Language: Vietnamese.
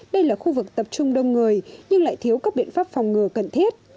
đây là khu vực tập trung đông người nhưng lại thiếu các biện pháp phòng ngừa cần thiết